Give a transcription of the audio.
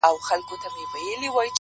لمن كي مي د سپينو ملغلرو كور ودان دى!!